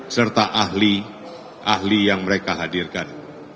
serta ahli ahli yang mereka hadirkan